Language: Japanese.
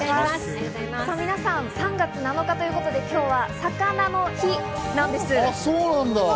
皆さん、３月７日ということで今日は、さかなの日なんです。